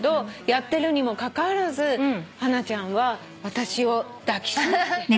やってるにもかかわらずハナちゃんは私を抱き締めて。